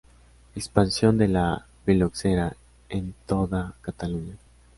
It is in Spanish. Expansión de la filoxera en toda Cataluña.